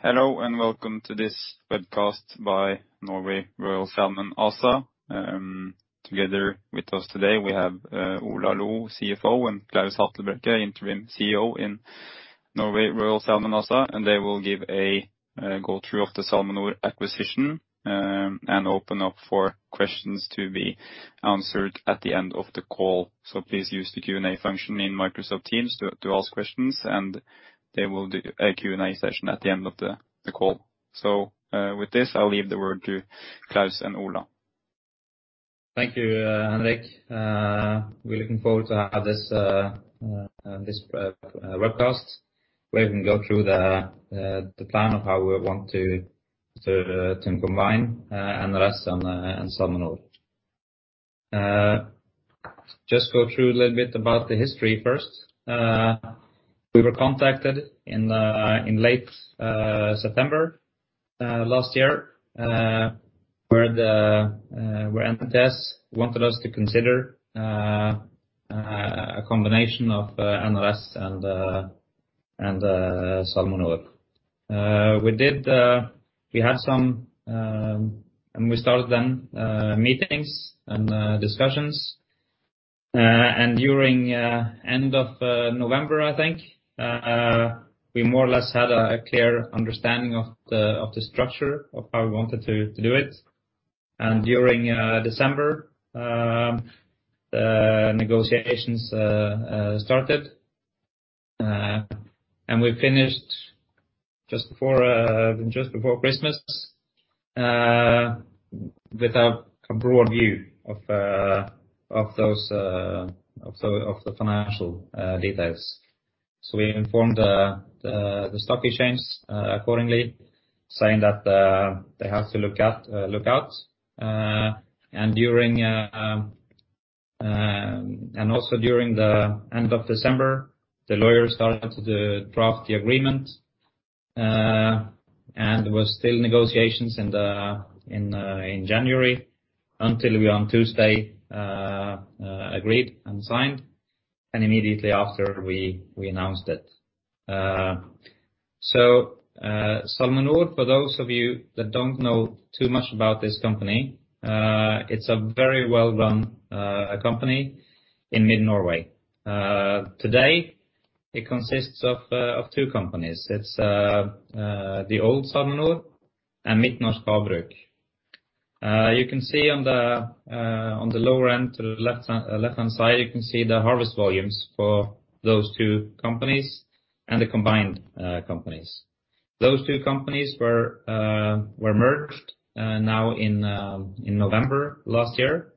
Yes. Hello, and welcome to this webcast by Norway Royal Salmon ASA. Together with us today we have Ola Loe, CFO, and Klaus Hatlebrekke, Interim CEO in Norway Royal Salmon ASA, and they will give a go through of the SalmoNor acquisition, and open up for questions to be answered at the end of the call. Please use the Q&A function in Microsoft Teams to ask questions and they will do a Q&A session at the end of the call. With this, I'll leave the word to Klaus and Ola. Thank you, Henrik. We're looking forward to have this webcast where we can go through the plan of how we want to combine NRS and SalmoNor. Just go through a little bit about the history first. We were contacted in late September last year, where NTS wanted us to consider a combination of NRS and SalmoNor. We did, we had some. We started then meetings and discussions. During end of November, I think, we more or less had a clear understanding of the structure of how we wanted to do it. During December negotiations started and we finished just before Christmas with a broad view of the financial details. We informed the stock exchanges accordingly, saying that they have to look out. Also during the end of December, the lawyers started to draft the agreement, and there was still negotiations in January until we on Tuesday agreed and signed, and immediately after we announced it. SalmoNor, for those of you that don't know too much about this company, it's a very well run company in Mid Norway. Today it consists of two companies. It's the old SalmoNor and Midt-Norsk Havbruk. You can see on the lower end to the left-hand side the harvest volumes for those two companies and the combined companies. Those two companies were merged in November last year,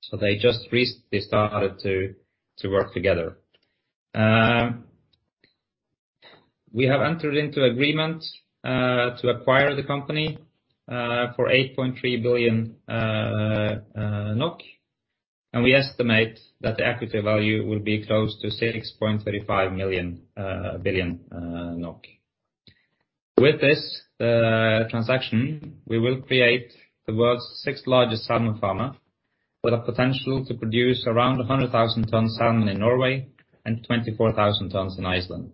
so they just recently started to work together. We have entered into agreement to acquire the company for 8.3 billion NOK, and we estimate that the equity value will be close to 6.35 billion NOK. With this transaction, we will create the world's sixth largest salmon farmer with a potential to produce around 100,000 tons salmon in Norway and 24,000 tons in Iceland.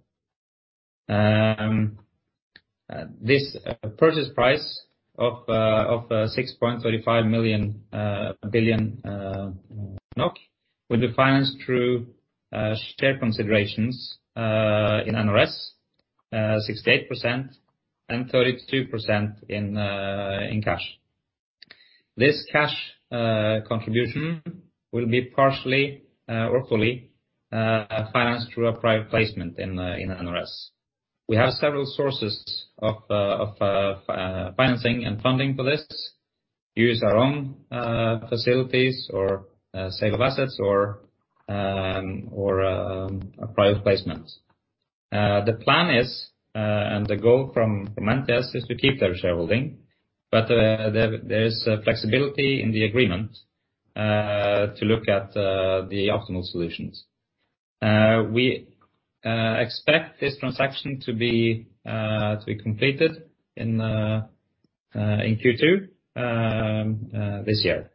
This purchase price of 6.35 billion NOK will be financed through share considerations in NRS, 68% and 32% in cash. This cash contribution will be partially or fully financed through a private placement in NRS. We have several sources of financing and funding for this. Use our own facilities or sale of assets or a private placement. The plan is and the goal from Antares is to keep their shareholding, but there is flexibility in the agreement to look at the optimal solutions. We expect this transaction to be completed in Q2 this year.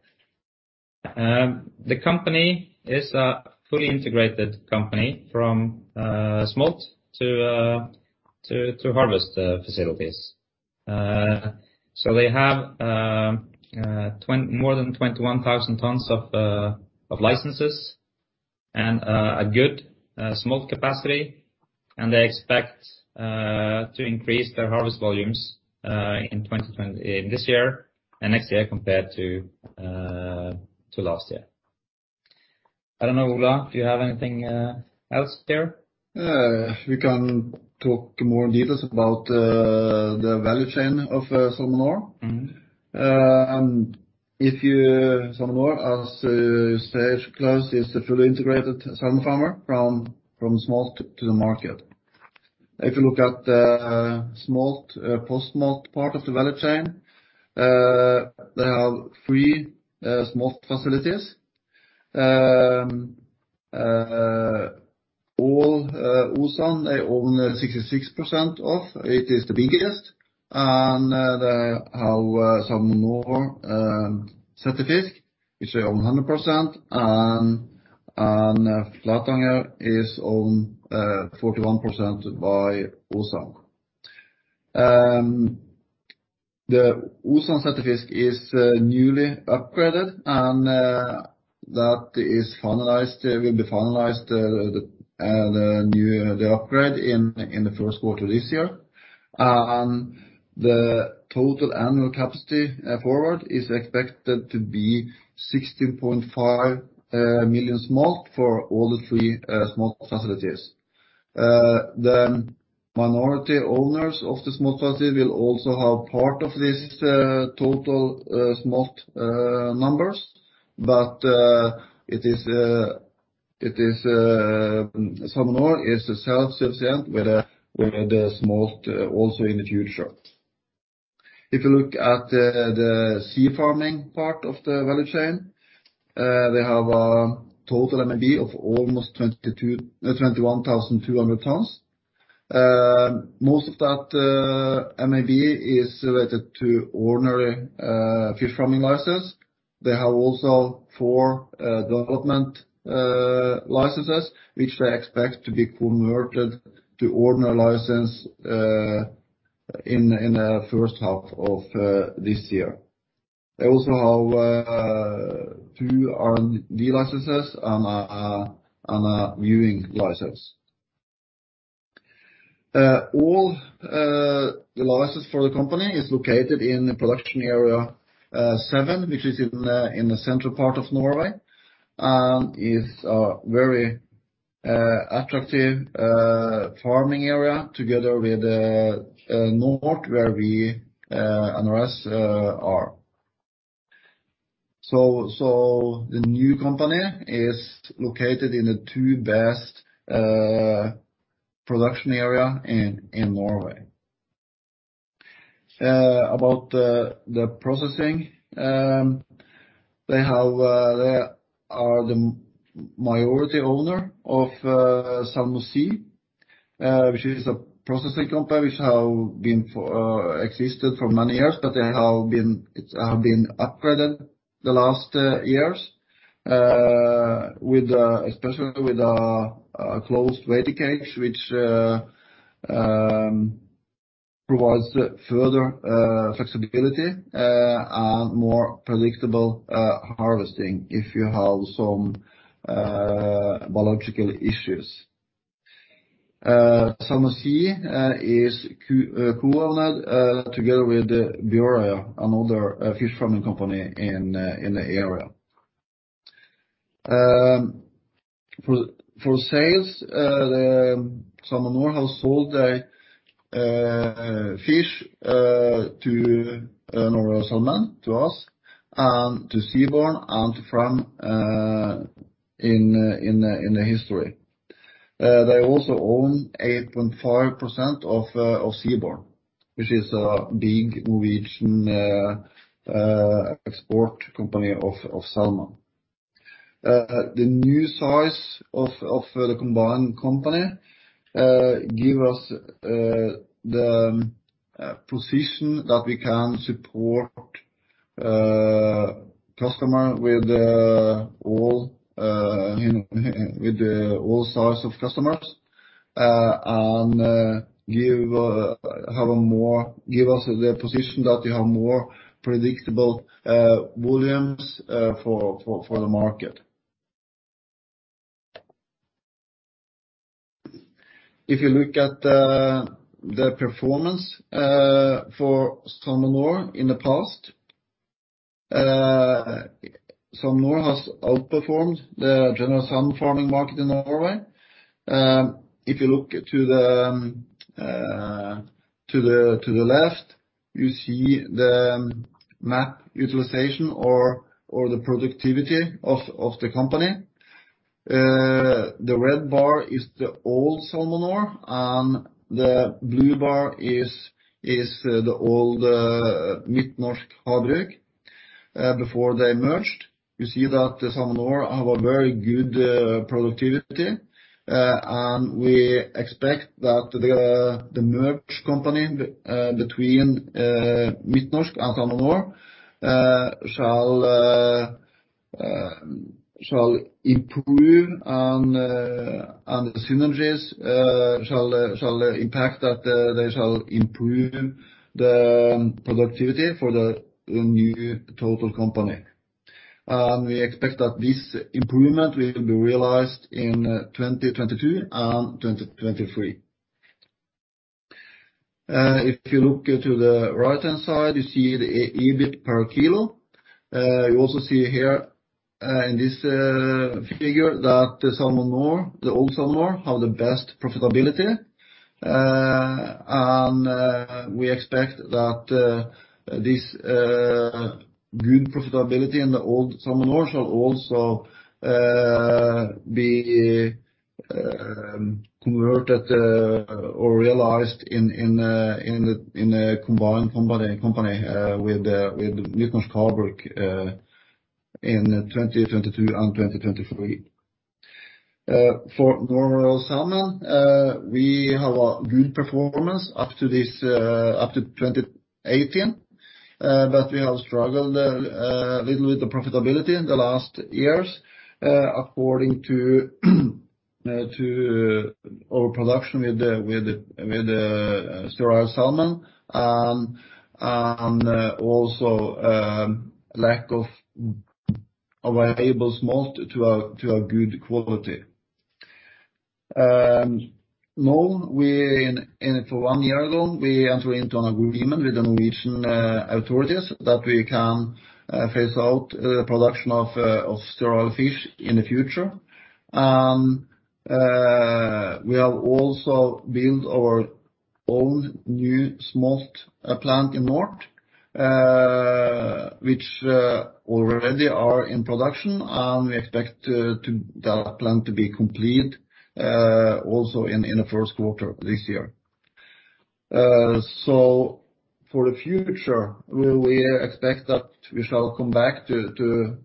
The company is a fully integrated company from smolt to harvest facilities. They have more than 21,000 tons of licenses and a good smolt capacity. They expect to increase their harvest volumes in this year and next year compared to last year. I don't know, Ola, do you have anything else there? We can talk more in details about the value chain of SalmoNor. Mm-hmm. SalmoNor, as said Klaus, is a fully integrated salmon farmer from smolt to the market. If you look at the smolt post-smolt part of the value chain, they have three smolt facilities. Åsen, they own 66% of it. It is the biggest and they have SalmoNor certificate, which they own 100% and Flatanger is owned 41% by Åsen. The Åsen certificate is newly upgraded and the upgrade will be finalized in the first quarter this year. The total annual capacity forward is expected to be 16.5 million smolt for all the three smolt facilities. The minority owners of the smolt facility will also have part of this total smolt numbers. SalmoNor is self-sufficient with the smolt also in the future. If you look at the sea farming part of the value chain, they have a total MAB of almost 21,200 tons. Most of that MAB is related to ordinary fish farming license. They also have four development licenses, which they expect to be converted to ordinary license in the first half of this year. They also have two RV licenses and a viewing license. All the licenses for the company is located in the production area seven, which is in the central part of Norway, and is a very attractive farming area together with North where we and the rest are. The new company is located in the two best production area in Norway. About the processing, they are the minority owner of SalmoSea, which is a processing company which has existed for many years, but it has been upgraded the last years, especially with closed net cages which provides further flexibility and more predictable harvesting if you have some biological issues. SalmoSea is co-owned together with Bjørøya, another fish farming company in the area. For sales, the SalmoNor have sold fish to Northern Salmon, to us and to Seaborn and to Frøy in the history. They also own 8.5% of Seaborn, which is a big Norwegian export company of salmon. The new size of the combined company give us the position that we can support customer with all size of customers and give us the position that we have more predictable volumes for the market. If you look at the performance for SalmoNor in the past, SalmoNor has outperformed the general salmon farming market in Norway. If you look to the left, you see the MAB utilization or the productivity of the company. The red bar is the old SalmoNor and the blue bar is the old Midt-Norsk Havbruk before they merged. You see that SalmoNor have a very good productivity. We expect that the merged company between Midt-Norsk and SalmoNor shall improve and the synergies shall impact that they shall improve the productivity for the new total company. We expect that this improvement will be realized in 2022 and 2023. If you look to the right-hand side, you see the EBIT per kilo. You also see here in this figure that SalmoNor, the old SalmoNor have the best profitability. We expect that this good profitability in the old SalmoNor shall also be converted or realized in the combined company with Midt-Norsk Havbruk in 2022 and 2023. For normal salmon, we have a good performance up to 2018. We have struggled a little with the profitability in the last years according to our production with the sterile salmon and also lack of available smolt to a good quality. Now, one year ago, we entered into an agreement with the Norwegian authorities that we can phase out production of sterile fish in the future. We have also built our own new smolt plant in North. Which already are in production, and we expect that plant to be complete also in the first quarter this year. For the future, we expect that we shall come back to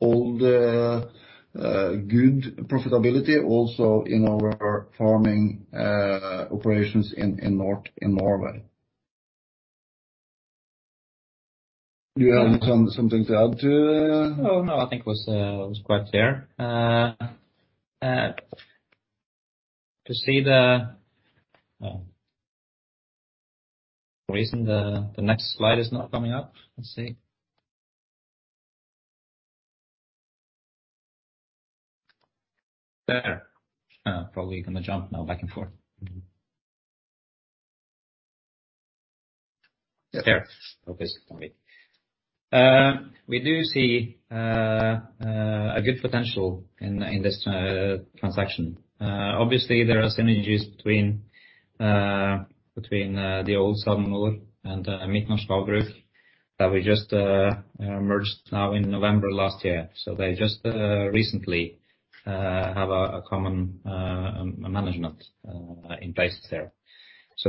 old good profitability also in our farming operations in North in Norway. Do you have something to add to? Oh, no. I think it was quite clear. For whatever reason, the next slide is not coming up. Let's see. There. Probably gonna jump now back and forth. Mm-hmm. We do see a good potential in this transaction. Obviously, there are synergies between the old SalmoNor and Midt-Norsk Havbruk that we just merged now in November last year. They just recently have a common management in place there.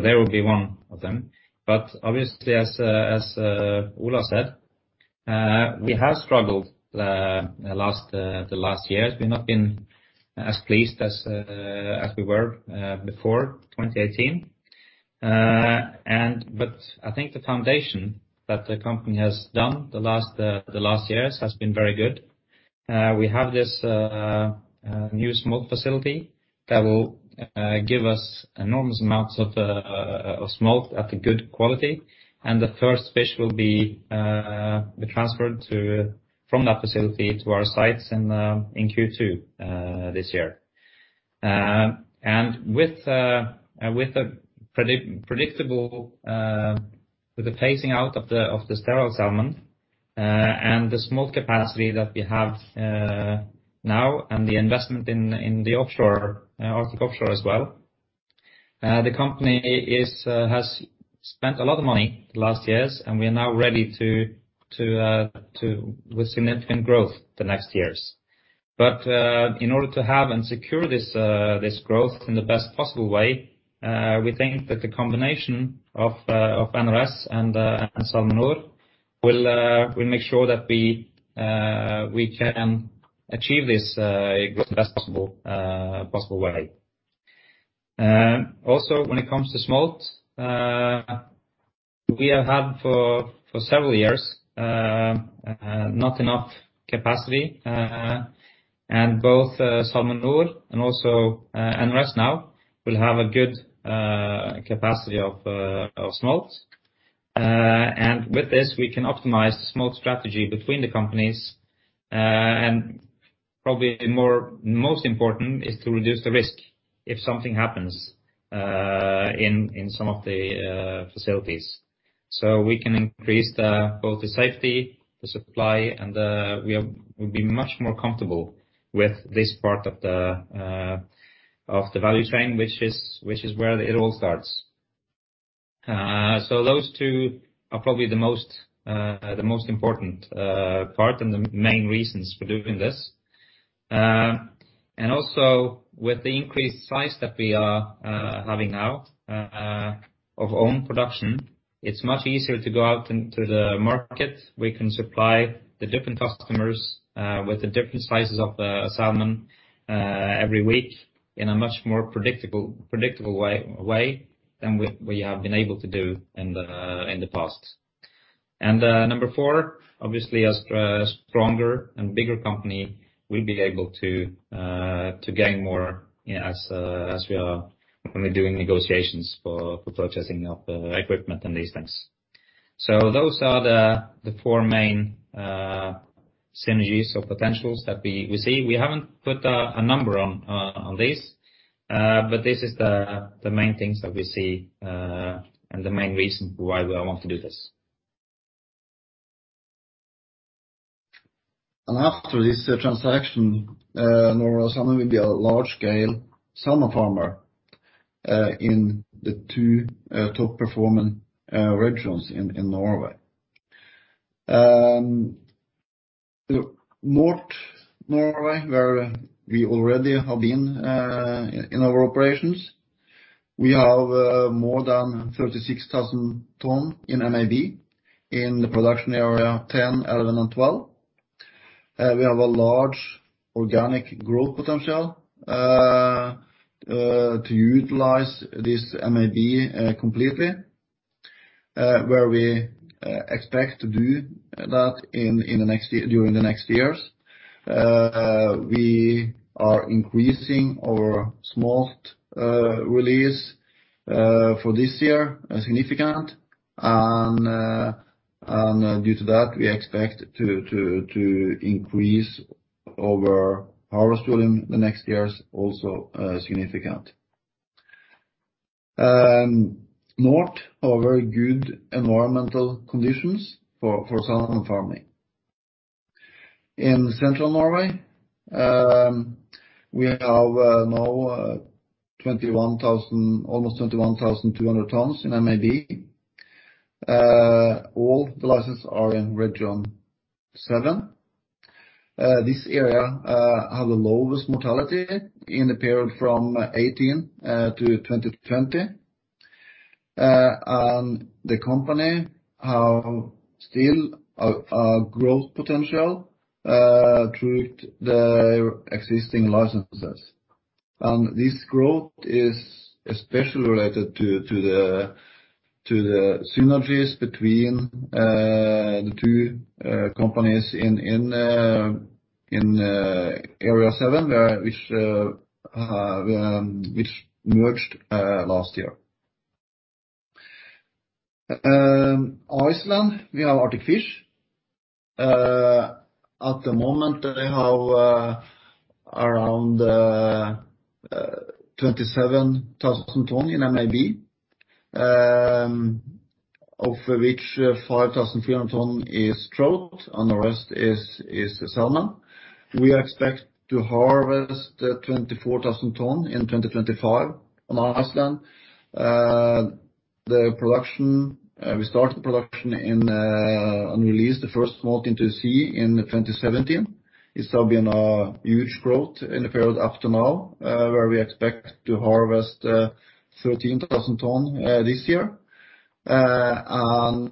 They will be one of them. Obviously as Ola said, we have struggled the last years. We've not been as pleased as we were before 2018. I think the foundation that the company has done the last years has been very good. We have this new smolt facility that will give us enormous amounts of smolt at a good quality. The first fish will be transferred from that facility to our sites in Q2 this year. With the phasing out of the sterile salmon and the smolt capacity that we have now and the investment in the offshore Arctic Offshore as well, the company has spent a lot of money the last years and we are now ready with significant growth the next years. In order to have and secure this growth in the best possible way, we think that the combination of NRS and SalmoNor will make sure that we can achieve this in the best possible way. Also when it comes to smolt, we have had for several years not enough capacity. Both SalmoNor and also NRS now will have a good capacity of smolt. With this, we can optimize the smolt strategy between the companies. Probably most important is to reduce the risk if something happens in some of the facilities. We can increase both the safety, the supply, and we'll be much more comfortable with this part of the value chain, which is where it all starts. Those two are probably the most important part and the main reasons for doing this. Also with the increased size that we are having now of own production, it's much easier to go out into the market. We can supply the different customers with the different sizes of the salmon every week in a much more predictable way than we have been able to do in the past. Number four, obviously as a stronger and bigger company, we'll be able to gain more, you know, as we are when we're doing negotiations for purchasing of equipment and these things. Those are the four main synergies or potentials that we see. We haven't put a number on this, but this is the main things that we see, and the main reason why we want to do this. After this transaction, Norway Royal Salmon will be a large scale salmon farmer in the two top performing regions in Norway. North Norway, where we already have been in our operations. We have more than 36,000 tons in MAB in the production areas 10, 11 and 12. We have a large organic growth potential to utilize this MAB completely, where we expect to do that during the next years. We are increasing our smolt release for this year significantly and due to that, we expect to increase our harvest during the next years also significantly. North Norway has very good environmental conditions for salmon farming. In central Norway, we have now 21,000... Almost 21,200 tons in MAB. All the licenses are in region seven. This area have the lowest mortality in the period from 2018 to 2020. The company have still a growth potential through the existing licenses. This growth is especially related to the synergies between the two companies in area seven, which merged last year. Iceland, we have Arctic Fish. At the moment, they have around 27,000 tons in MAB, of which 5,300 tons is trout and the rest is salmon. We expect to harvest 24,000 tons in 2025 on Iceland. The production, we start the production in and release the first smolt into the sea in 2017. It's now been a huge growth in the period up to now, where we expect to harvest 13,000 ton this year and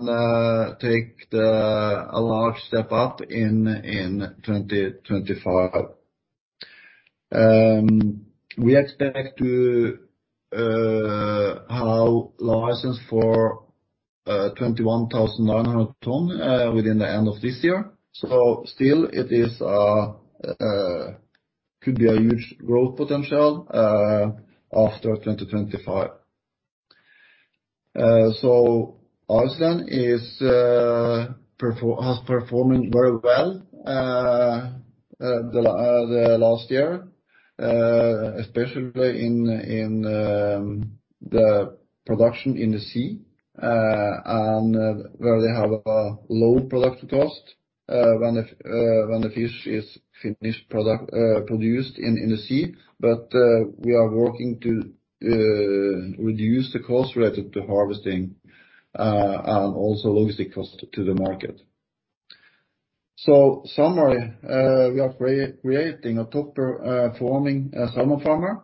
take a large step up in 2025. We expect to have license for 21,900 ton within the end of this year. Still it is could be a huge growth potential after 2025. Iceland is perform has performing very well the last year, especially in the production in the sea and where they have a low production cost when the fish is finished product produced in the sea We are working to reduce the cost related to harvesting and also logistic cost to the market. Summary, we are creating a top performing salmon farmer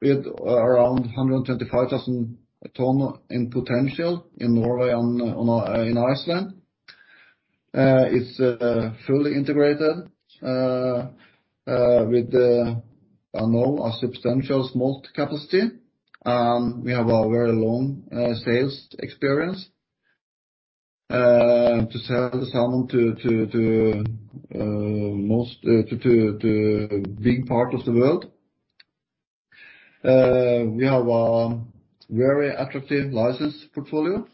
with around 125,000 tons in potential in Norway and in Iceland. It's fully integrated with now a substantial smolt capacity. We have a very long sales experience to sell the salmon to most big part of the world. We have a very attractive license portfolio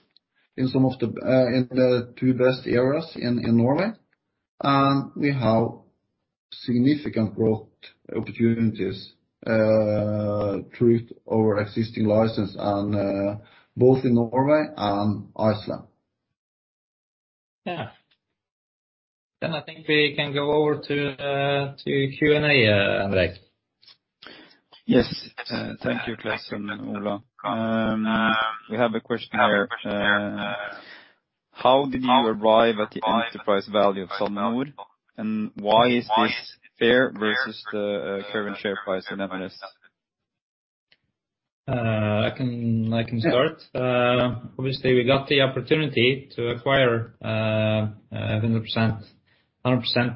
in some of the two best areas in Norway. We have significant growth opportunities through our existing license and both in Norway and Iceland. Yeah. I think we can go over to Q&A, Henrik. Yes. Thank you, Klaus and Ola. We have a question here. How did you arrive at the enterprise value of SalmoNor, and why is this fair versus the current share price in Midt-Norsk Havbruk? I can start. Obviously, we got the opportunity to acquire 100%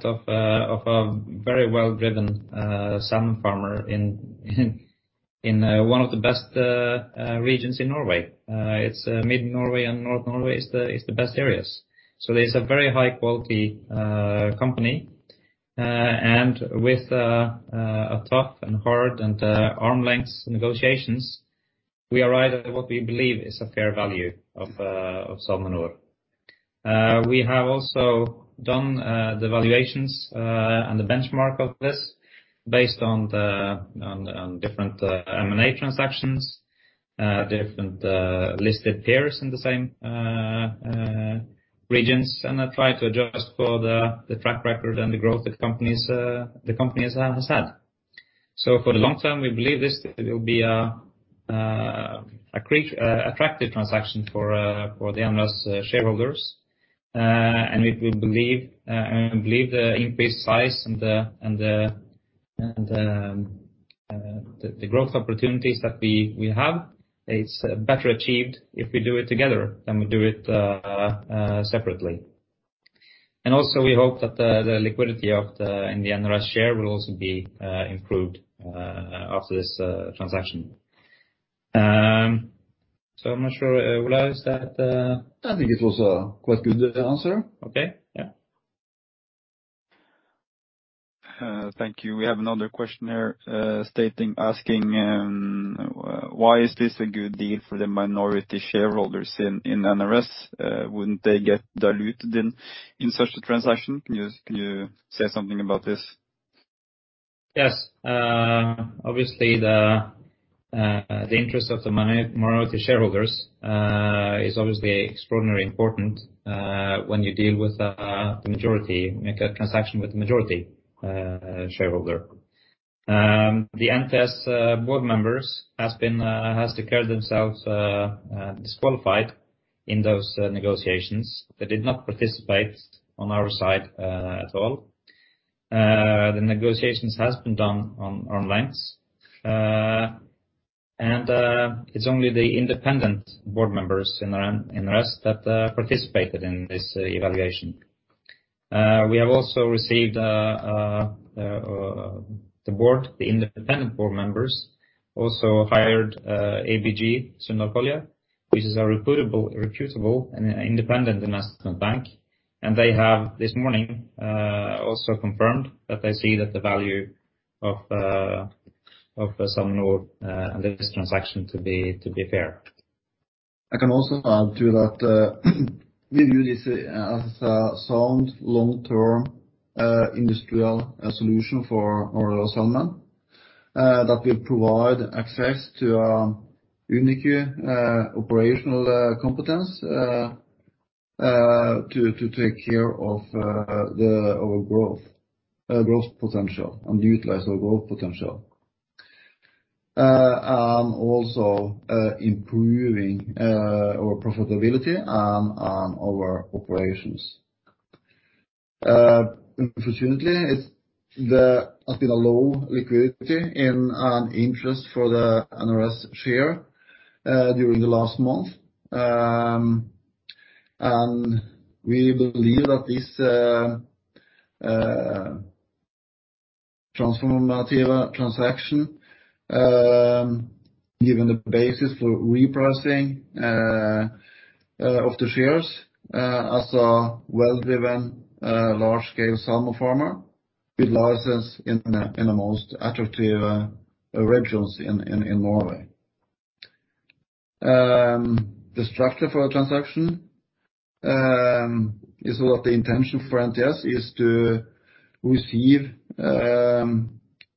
of a very well-driven salmon farmer in one of the best regions in Norway. It's mid-Norway and North Norway is the best areas. It's a very high quality company. With a tough and hard and arm's length negotiations, we arrive at what we believe is a fair value of SalmoNor. We have also done the valuations and the benchmark of this based on different M&A transactions, different listed peers in the same regions, and then try to adjust for the track record and the growth that the company has had. For the long term, we believe this will be a great, attractive transaction for the NRS shareholders. We believe the increased size and the growth opportunities that we have. It's better achieved if we do it together than we do it separately. We hope that the liquidity of the NRS share will also be improved after this transaction. I'm not sure, Ola, is that. I think it was a quite good answer. Okay. Yeah. Thank you. We have another question here, asking why is this a good deal for the minority shareholders in NRS? Wouldn't they get diluted in such a transaction? Can you say something about this? Yes. Obviously the interest of the minority shareholders is obviously extraordinarily important when you deal with the majority, make a transaction with the majority shareholder. The Antares board members has declared themselves disqualified in those negotiations. They did not participate on our side at all. The negotiations has been done at arm's length. It's only the independent board members in NRS that participated in this evaluation. The independent board members also hired ABG Sundal Collier, which is a reputable and independent investment bank. They have this morning also confirmed that they see that the value of SalmoNor this transaction to be fair. I can also add to that. We view this as a sound long-term industrial solution for our salmon that will provide access to unique operational competence to take care of our growth potential and utilize our growth potential, also improving our profitability and in our operations. Unfortunately, it has been low liquidity and interest for the NRS share during the last month. We believe that this transformative transaction gives the basis for repricing of the shares as a well-driven large-scale salmon farmer with license in the most attractive regions in Norway. The structure for the transaction is what the intention for Antares is to receive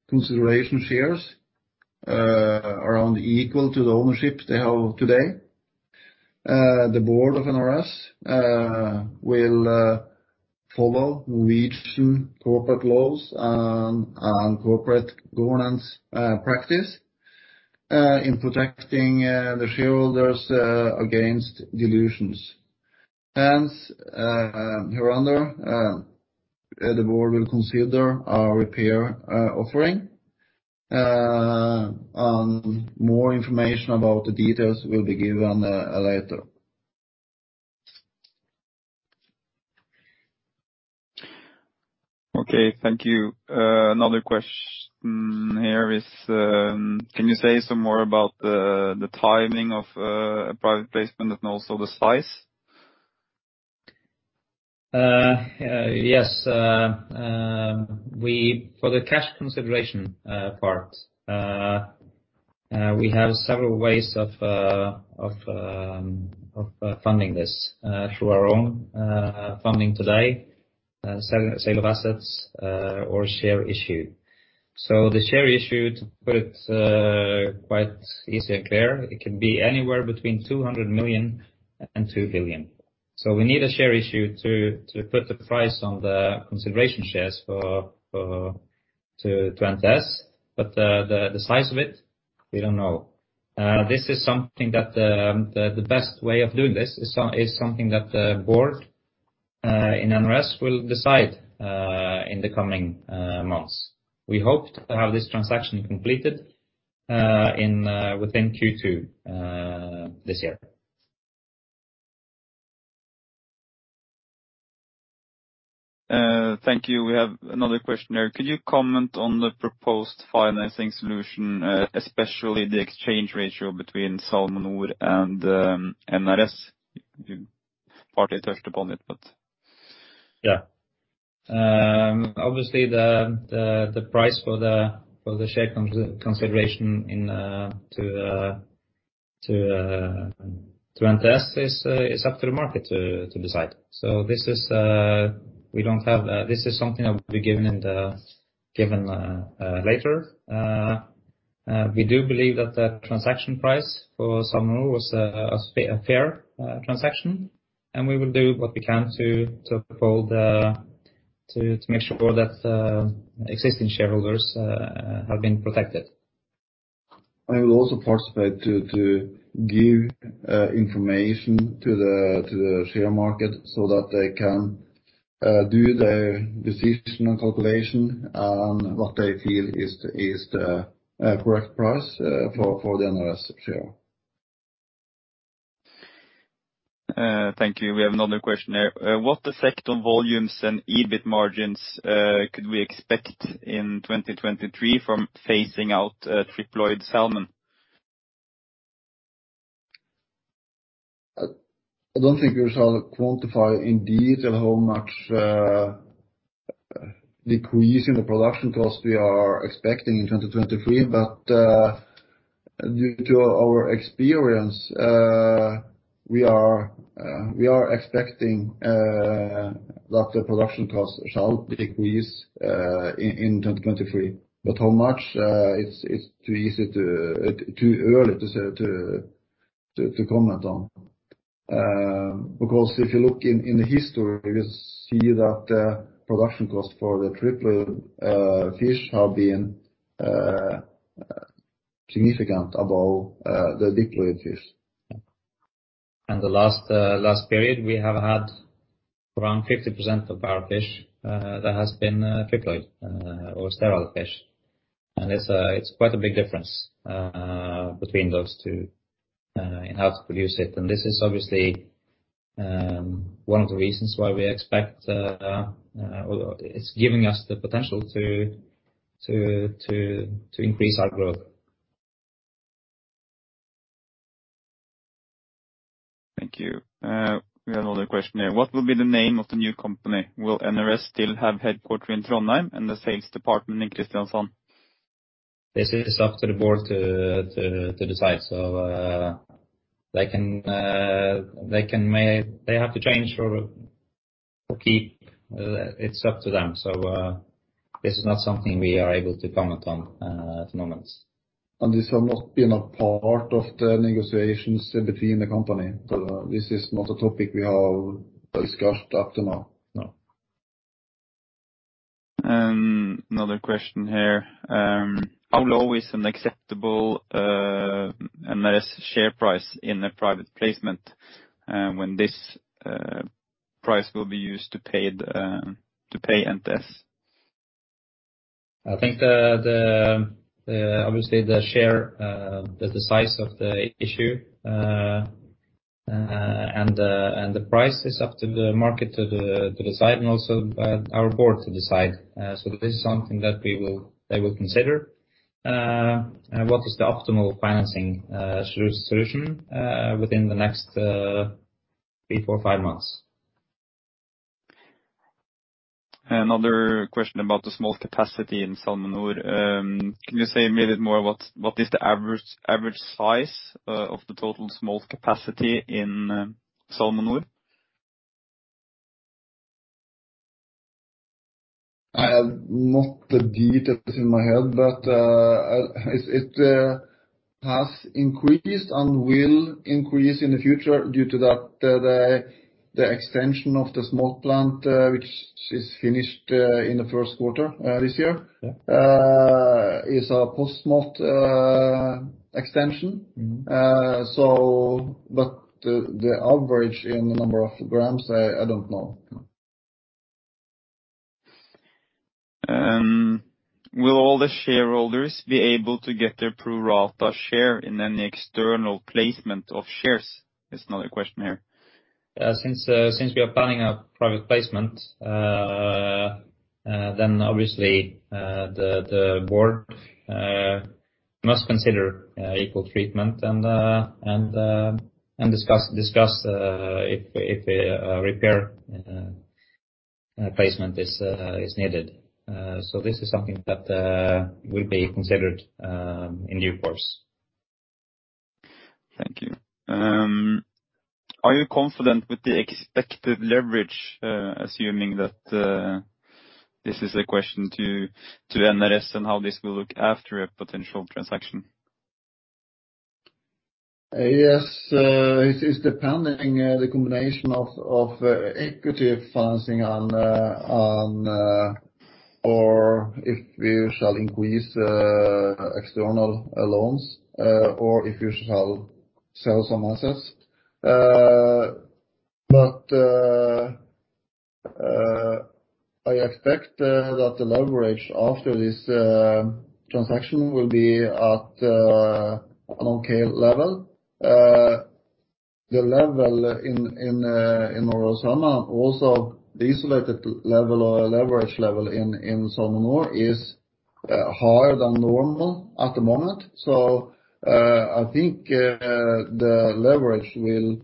consideration shares around equal to the ownership they have today. The board of NRS will follow Norwegian corporate laws and corporate governance practice in protecting the shareholders against dilutions. Hence, hereunder, the board will consider a repair offering. More information about the details will be given later. Okay. Thank you. Another question here is, can you say some more about the timing of private placement and also the size? Yes. For the cash consideration part, we have several ways of funding this, through our own funding today, sale of assets, or share issue. The share issue, to put it quite easy and clear, it can be anywhere between 200 million and 2 billion. We need a share issue to put the price on the consideration shares for to Antares. The size of it, we don't know. This is something that the best way of doing this is something that the board in NRS will decide in the coming months. We hope to have this transaction completed within Q2 this year. Thank you. We have another question here. Could you comment on the proposed financing solution, especially the exchange ratio between SalmoNor and NRS? You partly touched upon it, but. Yeah. Obviously the price for the share consideration into NRS is up to the market to decide. This is something that will be given later. We do believe that the transaction price for SalmoNor was a fair transaction, and we will do what we can to make sure that existing shareholders have been protected. I will also participate to give information to the share market so that they can do their decision and calculation on what they feel is the correct price for the NRS share. Thank you. We have another question here. What effect on volumes and EBIT margins could we expect in 2023 from phasing out triploid salmon? I don't think we shall quantify in detail how much decrease in the production cost we are expecting in 2023. Due to our experience, we are expecting that the production cost shall decrease in 2023. How much? It's too early to say, to comment on. Because if you look in the history, you see that production costs for the triploid fish have been significantly above the diploid fish. The last period, we have had around 50% of our fish that has been triploid or sterile fish. It's quite a big difference between those two in how to produce it. This is obviously one of the reasons why we expect. It's giving us the potential to increase our growth. Thank you. We have another question here. What will be the name of the new company? Will NRS still have headquarters in Trondheim and the sales department in Kristiansand? This is up to the board to decide. They have to change or keep. It's up to them. This is not something we are able to comment on at the moment. This has not been a part of the negotiations between the company. This is not a topic we have discussed up to now, no. Another question here. How low is an acceptable NRS share price in a private placement when this price will be used to pay NTS? I think obviously the size of the issue and the price is up to the market to decide and also our board to decide. This is something that they will consider, what is the optimal financing solution within the next three, four, five months. Another question about the smolt capacity in SalmoNor. Can you say a little more what is the average size of the total smolt capacity in SalmoNor? I do not have the details in my head, but it has increased and will increase in the future due to the extension of the smolt plant, which is finished in the first quarter this year. Yeah. Is a post-smolt extension. The average in the number of grams, I don't know. Will all the shareholders be able to get their pro rata share in any external placement of shares? There's another question here. Since we are planning a private placement, then obviously, the board must consider equal treatment and discuss if a repair offering is needed. This is something that will be considered in due course. Thank you. Are you confident with the expected leverage, assuming that this is a question to NRS and how this will look after a potential transaction? Yes. It's depending on the combination of equity financing and/or if we shall increase external loans or if we shall sell some assets. I expect that the leverage after this transaction will be at an okay level. The level in Norway Royal Salmon, also the isolated level or leverage level in SalmoNor is higher than normal at the moment. I think the leverage will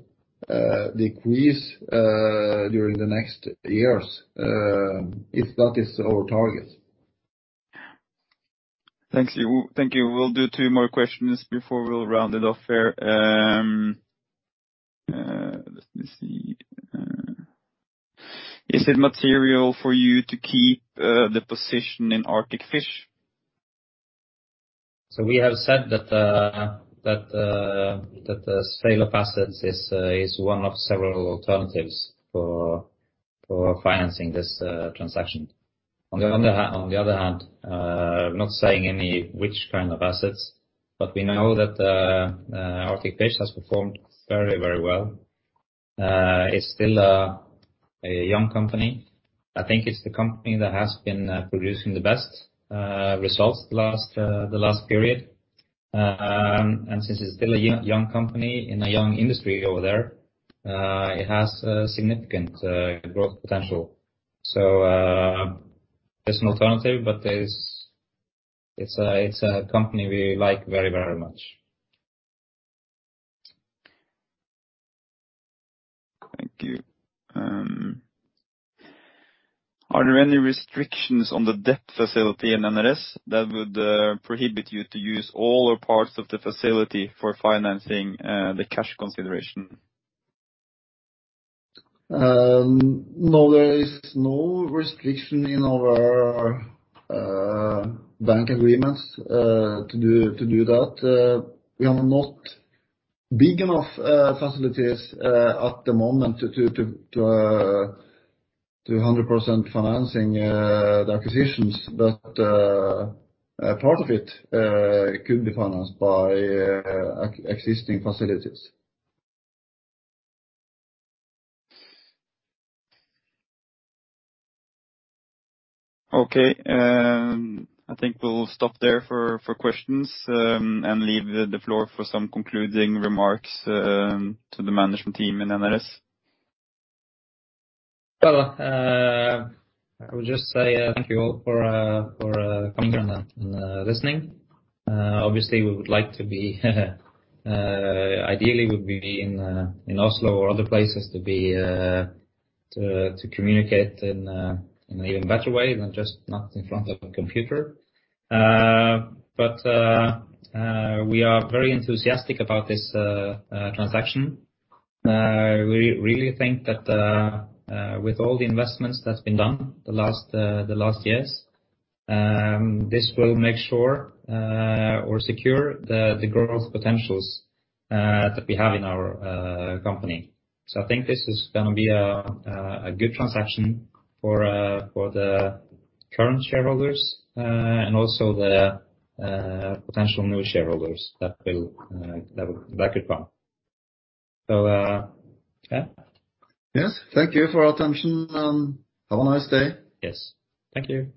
decrease during the next years if that is our target. Thank you. Thank you. We'll do two more questions before we'll round it off here. Is it material for you to keep the position in Arctic Fish? We have said that sale of assets is one of several alternatives for financing this transaction. On the other hand, not saying any which kind of assets, but we know that Arctic Fish has performed very, very well. It's still a young company. I think it's the company that has been producing the best results the last period. And since it's still a young company in a young industry over there, it has a significant growth potential. There's an alternative, but it's a company we like very, very much. Thank you. Are there any restrictions on the debt facility in NRS that would prohibit you to use all or parts of the facility for financing the cash consideration? No, there is no restriction in our bank agreements to do that. We do not have big enough facilities at the moment to 100% finance the acquisitions, but part of it could be financed by existing facilities. Okay. I think we'll stop there for questions, and leave the floor for some concluding remarks to the management team in NRS. Well, I would just say thank you all for coming and listening. Obviously, we would like to be ideally in Oslo or other places to communicate in an even better way than just in front of a computer. We are very enthusiastic about this transaction. We really think that with all the investments that's been done the last years, this will make sure or secure the growth potentials that we have in our company. I think this is gonna be a good transaction for the current shareholders and also the potential new shareholders that could come. Yeah. Yes. Thank you for your attention, have a nice day. Yes. Thank you.